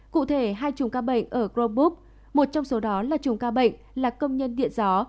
cụ thể hai chùm ca bệnh ở grombook một trong số đó là chùm ca bệnh là công nhân điện gió